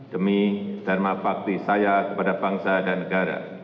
demi dharma bakti saya kepada bangsa dan negara